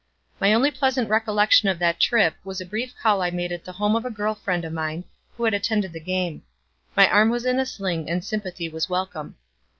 My only pleasant recollection of that trip was a brief call I made at the home of a girl friend of mine, who had attended the game. My arm was in a sling and sympathy was welcome.